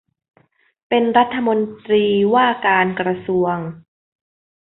เป็นรัฐมนตรีว่าการกระทรวง